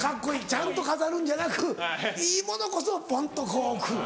ちゃんと飾るんじゃなくいいものこそポンとこう置く。